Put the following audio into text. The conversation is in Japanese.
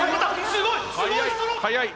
すごい！